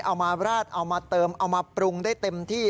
เอามาราดเอามาเติมเอามาปรุงได้เต็มที่